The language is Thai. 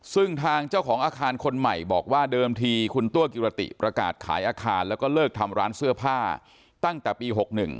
ซึ่งทางเจ้าของอาคารคนใหม่บอกว่าเดิมทีคุณตัวกิรติประกาศขายอาคารแล้วก็เลิกทำร้านเสื้อผ้าตั้งแต่ปี๖๑